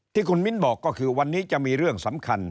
ที่คุณมิ้นบอกก็คือวันนี้จะมีเรื่องสำคัญ